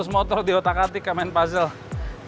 seratus motor di otak atik kamen puzzle